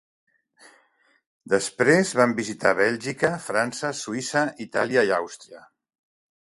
Després van visitar Bèlgica, França, Suïssa, Itàlia i Àustria.